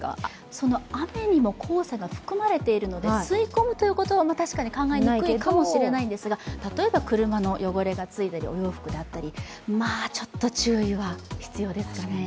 雨にも黄砂が含まれているので吸い込むというのは確かに考えにくいかもしれないんですが、例えば車に汚れがついたり、お洋服だったりまあちょっと注意は必要ですかね。